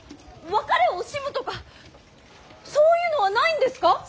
別れを惜しむとかそういうのはないんですか。